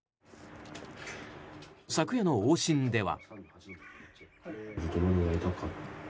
昨夜の往診では。